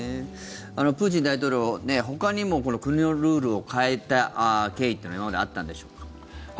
プーチン大統領ほかにも国のルールを変えた経緯というのは今まであったんでしょうか。